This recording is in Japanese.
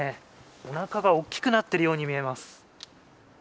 おなかが大きくなっているように見えます。